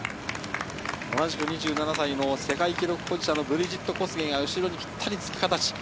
同じく２７歳の世界記録保持者、ブリジット・コスゲイが後ろにぴったりつく形。